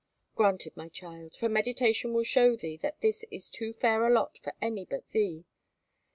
"Granted, my child, for meditation will show thee that this is too fair a lot for any but thee.